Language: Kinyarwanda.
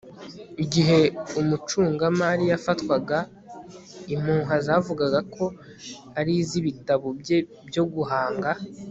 Igihe umucungamari yafatwaga impuha zavugaga ko ari izibitabo bye byo guhanga